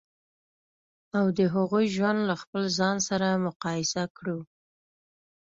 او د هغوی ژوند له خپل ځان سره مقایسه کړو.